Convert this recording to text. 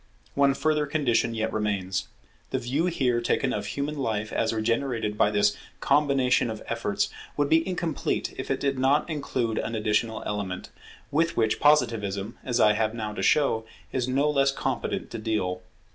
One further condition yet remains. The view here taken of human life as regenerated by this combination of efforts, would be incomplete if it did not include an additional element, with which Positivism, as I have now to show, is no less competent to deal.